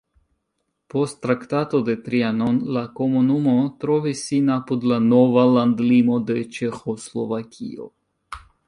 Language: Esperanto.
Post Traktato de Trianon la komunumo trovis sin apud la nova landlimo de Ĉeĥoslovakio.